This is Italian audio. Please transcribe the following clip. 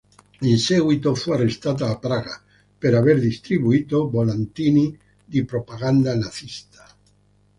In seguito fu arrestata a Praga per aver distribuito volantini di propaganda nazista.